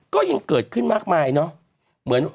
ก็ยังเกิดขึ้นมากมายเนอะ